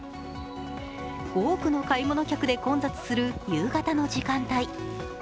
多くの買い物客で混雑する夕方の時間帯。